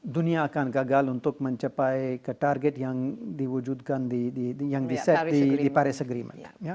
dunia akan gagal untuk mencapai target yang diwujudkan di paris agreement